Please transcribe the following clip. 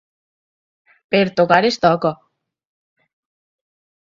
Per tocar es toca.